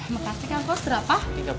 makasih kang kos berapa